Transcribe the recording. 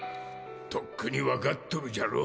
とっくに分かっとるじゃろ。